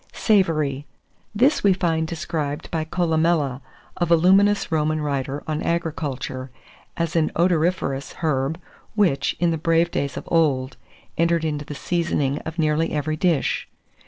SAVORY. This we find described by Columella, a voluminous Roman writer on agriculture, as an odoriferous herb, which, "in the brave days of old," entered into the seasoning of nearly every dish.